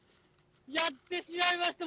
やってしまいました、